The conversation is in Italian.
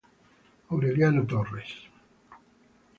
Aureliano Torres